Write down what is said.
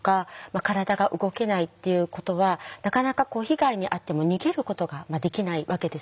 体が動けないっていうことはなかなか被害に遭っても逃げることができないわけですね。